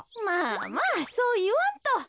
まあまあそういわんと。